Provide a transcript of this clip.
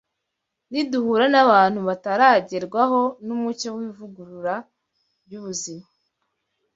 Niduhura n’abantu bataragerwaho n’umucyo w’ivugurura ry’ubuzima